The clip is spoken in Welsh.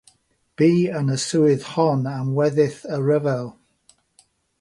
Bu yn y swydd hon am weddill y rhyfel.